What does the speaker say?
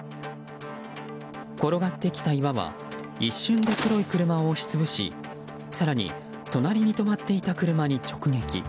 転がって来た岩は一瞬で黒い車を押し潰し更に、隣に止まっていた車に直撃。